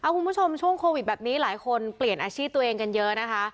คุณผู้ชมช่วงโควิดแบบนี้หลายคนเปลี่ยนอาชีพตัวเองกันเยอะนะคะ